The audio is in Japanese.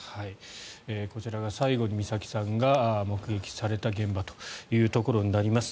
こちらが最後に美咲さんが目撃された現場というところになります。